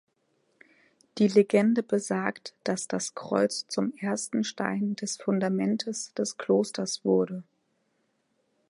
Die Legende besagt, dass das Kreuz zum ersten Stein des Fundamentes des Klosters wurde.